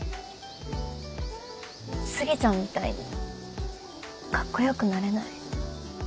杉ちゃんみたいにカッコ良くなれない。